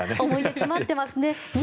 思い出詰まってますね。